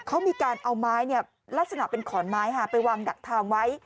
เขามีการเอาไม้ลักษณะเป็นขอนไม้ไปวางดักทางไว้